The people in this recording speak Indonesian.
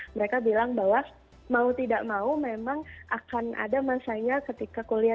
mereka bilang bahwa mau tidak mau memang akan ada masanya ketika kuliah